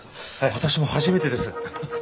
私も初めてです。